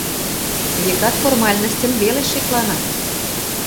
Векат, формальностьым веле шекланат!